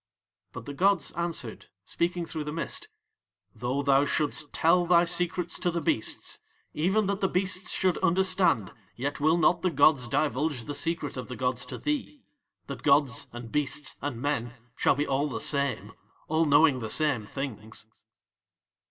But the gods answered, speaking through the mist: "Though thou shouldst tell thy secrets to the beasts, even that the beasts should understand, yet will not the gods divulge the secret of the gods to thee, that gods and beasts and men shall be all the same, all knowing the same things."